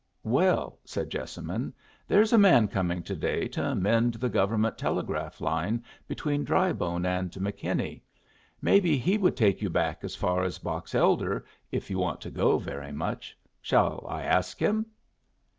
"Well," said Jessamine, "there's a man coming to day to mend the government telegraph line between Drybone and McKinney. Maybe he would take you back as far as Box Elder, if you want to go very much. Shall I ask him?"